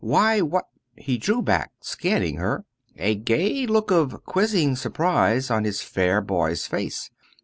Why, what " He drew back scanning her, a gay look of quizzing surprise on his fair boy's face.